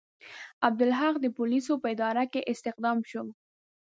عبدالحق د پولیسو په اداره کې استخدام شو.